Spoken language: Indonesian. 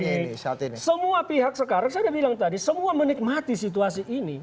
nah sekarang setelah itu terjadi semua pihak sekarang saya sudah bilang tadi semua menikmati situasi ini